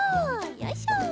よいしょ。